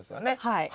はい。